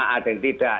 ada yang tidak